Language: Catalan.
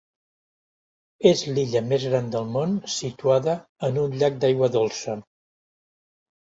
És l'illa més gran del món situada en un llac d'aigua dolça.